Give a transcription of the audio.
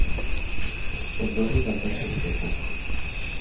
En dosis altas puede causar coma.